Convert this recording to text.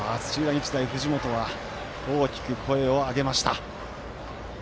日大、藤本は大きく声を上げました。